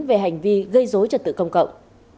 về hành vi gây dối trật tự công cộng